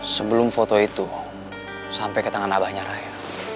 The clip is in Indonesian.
sebelum foto itu sampai ke tangan abahnya raya